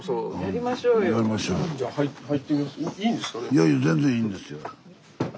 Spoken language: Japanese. いやいや全然いいんですよ。